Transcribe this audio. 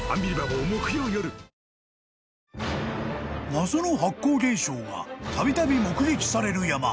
［謎の発光現象がたびたび目撃される山］